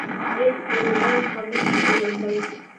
Ел өрмәй ҡамыш бөгөлмәй.